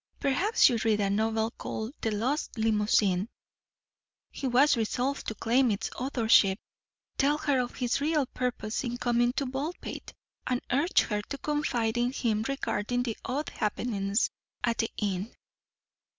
Perhaps you read a novel called The Lost Limousine." He was resolved to claim its authorship, tell her of his real purpose in coming to Baldpate, and urge her to confide in him regarding the odd happenings at the inn.